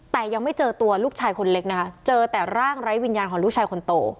แต่ยังไม่เจอตัวลูกชายคนเล็กนะคะเจอแต่ร่างไร้วิญญาณของลูกชายคนโต